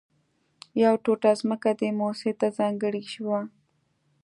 يوه ټوټه ځمکه دې مؤسسې ته ځانګړې شوه